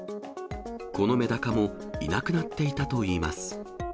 このめだかもいなくなっていたといいます。